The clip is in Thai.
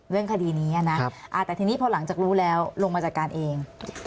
เรื่องคดีนี้นะแต่ทีนี้พอหลังจากรู้แล้วลงมาจัดการเอง